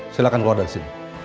silahkan keluar dari sini